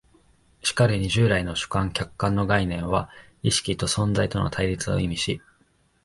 しかるに従来の主観・客観の概念は意識と存在との対立を意味し、